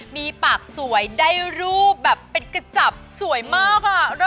มีปากสวยได้รูปแบบเป็นกระจับสวยมากค่ะ